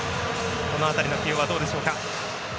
この辺りの起用はどうでしょうか。